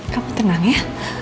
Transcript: kamu tenang ya